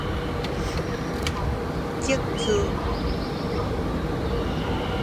積聚